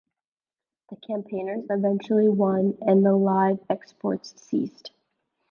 The campaigners eventually won and the live exports ceased.